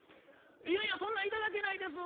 「いやいやそんなん頂けないです」